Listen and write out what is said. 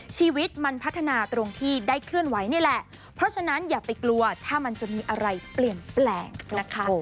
ชีวิตมันพัฒนาตรงที่ได้เคลื่อนไหวนี่แหละเพราะฉะนั้นอย่าไปกลัวถ้ามันจะมีอะไรเปลี่ยนแปลงนะคะ